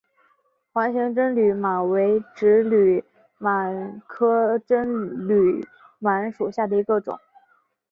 环形真绥螨为植绥螨科真绥螨属下的一个种。